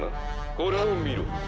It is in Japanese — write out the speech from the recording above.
これを見ろ」